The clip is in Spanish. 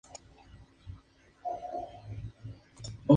Un ejemplo clásico de este fenómeno sería las islas de Hawái.